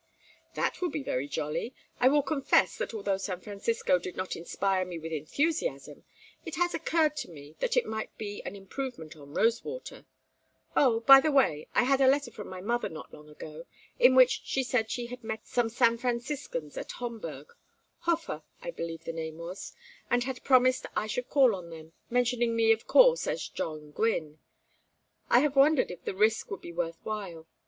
"That will be very jolly. I will confess that although San Francisco did not inspire me with enthusiasm, it has occurred to me that it might be an improvement on Rosewater.... Oh, by the way, I had a letter from my mother not long ago, in which she said she had met some San Franciscans at Homburg Hofer, I believe the name was and had promised I should call on them, mentioning me, of course, as John Gwynne. I have wondered if the risk would be worth while.